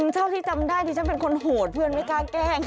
เท่าที่จำได้ดิฉันเป็นคนโหดเพื่อนไม่กล้าแกล้ง